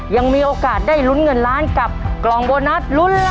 ยังมีโอกาสได้ลุ้นเงินล้านกับกล่องโบนัสลุ้นล้าน